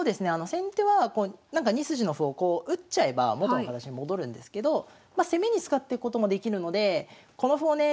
先手は２筋の歩をこう打っちゃえば元の形に戻るんですけど攻めに使っていくこともできるのでこの歩をね